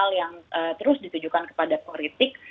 hal yang terus ditujukan kepada politik